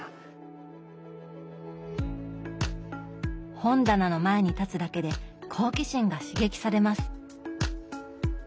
本棚の前に立つだけで好奇心が刺激されます。